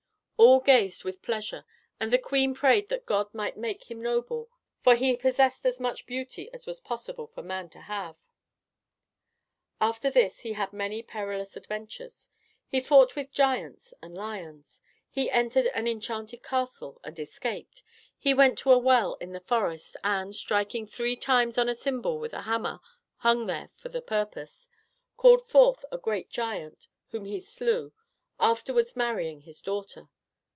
All gazed with pleasure, and the queen prayed that God might make him noble, for he possessed as much beauty as was possible for man to have. After this he had many perilous adventures; he fought with giants and lions; he entered an enchanted castle and escaped; he went to a well in the forest, and, striking three times on a cymbal with a hammer hung there for the purpose, called forth a great giant, whom he slew, afterwards marrying his daughter.